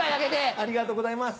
ありがとうございます。